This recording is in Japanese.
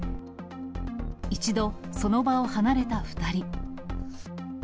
一度、その場を離れた２人。